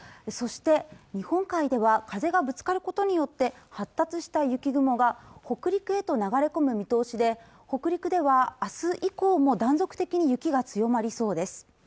そして日本海では風がぶつかることによって発達した雪雲が北陸へと流れ込む見通しで北陸ではあす以降も断続的に雪が強まりそうです